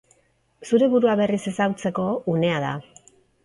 Zure burua berriz ezagutzeko unea da.